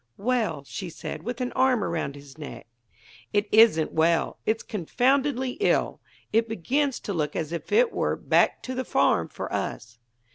"Well?" she said, with an arm around his neck. "It isn't well; it's confoundedly ill. It begins to look as if it were 'back to the farm' for us."